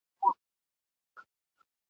په فریاد سوه په نارو سوه په غوغا سوه !.